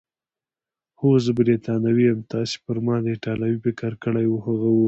هو، زه بریتانوی یم، تاسي پر ما د ایټالوي فکر کړی وو؟ هغه وویل.